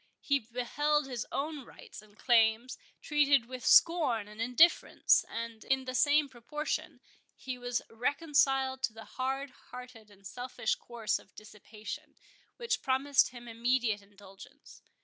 He beheld his own rights and claims treated with scorn and indifference; and, in the same proportion, he was reconciled to the hard hearted and selfish course of dissipation, which promised him immediate indulgence.